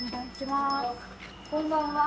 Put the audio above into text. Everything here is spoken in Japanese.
こんばんは。